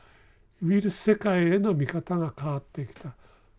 ウイルス世界への見方が変わってきた。